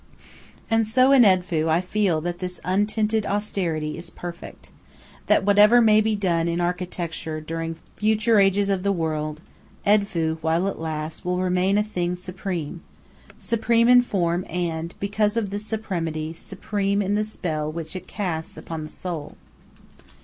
And so in Edfu I feel that this untinted austerity is perfect; that whatever may be done in architecture during future ages of the world, Edfu, while it lasts, will remain a thing supreme supreme in form and, because of this supremacy, supreme in the spell which it casts upon the soul.